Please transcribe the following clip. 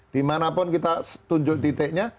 dimana pun kita tunjuk titiknya